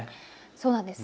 そうなんです。